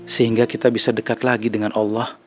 sehingga kita bisa dekat lagi dengan allah